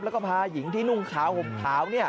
แล้วก็พาหญิงที่นุ่งขาวห่มขาว